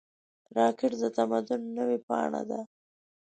راکټ د تمدن نوې پاڼه ده